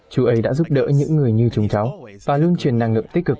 chú ấy đã giúp đỡ những người như chúng cháu và luôn truyền năng lượng tích cực